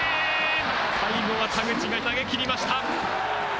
最後は田口が投げ切りました。